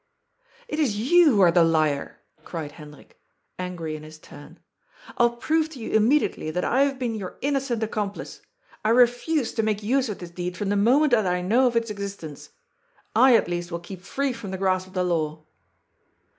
" It is you who are the liar," cried Hendrik, angry in his turn. " I will prove to you immediately that I have been your innocent accomplice. I refuse to make use of this deed from the moment that I know of its existence. I at least will keep free from the grasp of the law."